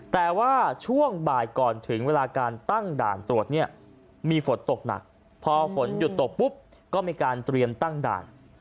แต่ว่าช่วงบ่ายก่อนถึงเวลาการตั้งด่านตรวจเนี่ยมีฝนตกหนักพอฝนหยุดตกปุ๊บก็มีการเตรียมตั้งด่าน